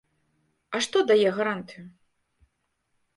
А што дае гарантыю?